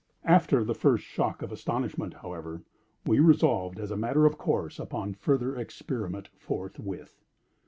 After the first shock of astonishment, however, we resolved, as a matter of course, upon further experiment forthwith.